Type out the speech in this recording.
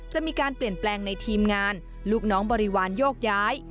จะมีการเปลี่ยนแปลงในทีมงานลูกน้องบริวารโยกย้าย